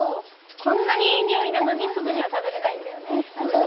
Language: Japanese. こんなにいい匂いなのにすぐには食べれないんだよね。